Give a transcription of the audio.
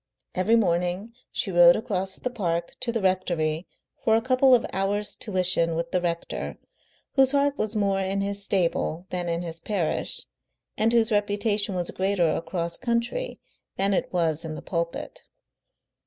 Every morning she rode across the park to the rectory for a couple of hours' tuition with the rector, whose heart was more in his stable than in his parish, and whose reputation was greater across country than it was in the pulpit.